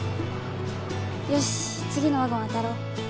よし次のワゴン当たろう。